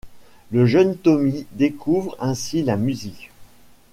Le jeune Tommy découvre ainsi la musique.